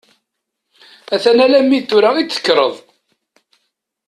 A-t-an alammi d tura i d-tekkreḍ.